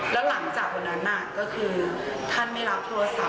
แล้วหลังจากวันนั้นก็คือท่านไม่รับโทรศัพท